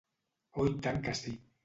Oi tant que sí.